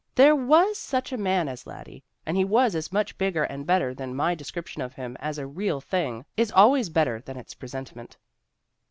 .).. There was such a man as Laddie, and he was' as much bigger and better ^than my description of him as a real thing is always better than its presentment.'